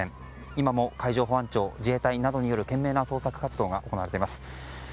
今も海上保安庁自衛隊などによる懸命な捜索活動が行われています。